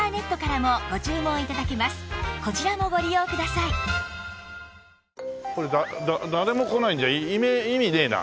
さらにこれ誰も来ないんじゃ意味ねえな。